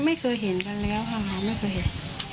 ไม่เคยเห็นกันแล้วค่ะไม่เคยเห็น